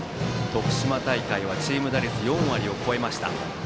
徳島大会はチーム打率４割を超えました。